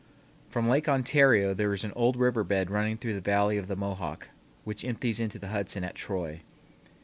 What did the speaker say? From Lake Ontario there is an old river bed running through the Valley of the Mohawk which empties into the Hudson at Troy.